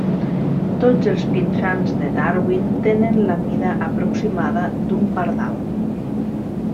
Tots els pinsans de Darwin tenen la mida aproximada d'un pardal.